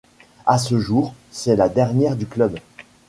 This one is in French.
À ce jour, c’est la dernière du club.